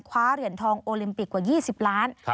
คว้าเหรียญทองโอลิมปิกกว่า๒๐ล้าน